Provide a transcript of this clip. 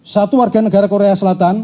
satu warga negara korea selatan